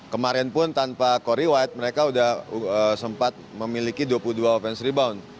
kemarin pun tanpa core white mereka sudah sempat memiliki dua puluh dua offensive rebound